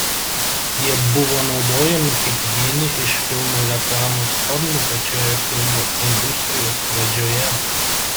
Jie buvo naudojami kaip vieni iš filmo reklamos formų pačioje filmų industrijos pradžioje.